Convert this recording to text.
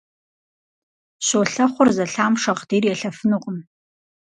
Щолэхъур зэлъэм шагъдийр елъэфынукъым.